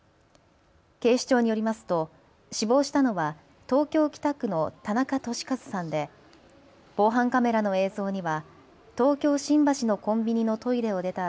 警視庁によりますと死亡したのは東京北区の田中寿和さんで防犯カメラの映像には東京新橋のコンビニのトイレを出た